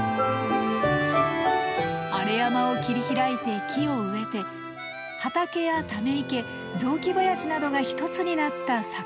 荒れ山を切り開いて木を植えて畑やため池雑木林などが一つになった里山の世界をつくり上げました。